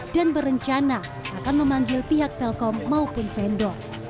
dan berencana akan memanggil pihak telkom maupun pendok